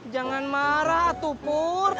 jangan marah tupur